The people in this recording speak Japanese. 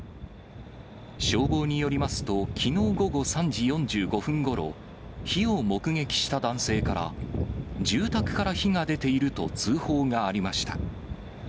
消防によりますと、きのう午後３時４５分ごろ、火を目撃した男性から、住宅から火が出ていると通報がありました。